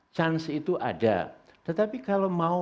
chance itu ada tetapi kalau mau